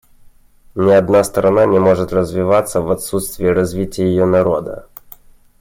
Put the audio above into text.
Ни одна страна не может развиваться в отсутствие развития ее народа.